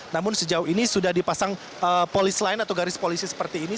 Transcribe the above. namun sejauh ini sudah dipasang polis lain atau garis polisi seperti ini